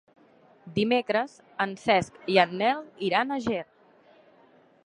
Dimecres en Cesc i en Nel iran a Ger.